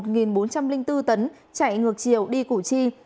xà lan có số hiệu sg một mươi chín nghìn bốn trăm linh bốn tấn chạy ngược chiều đi củ chi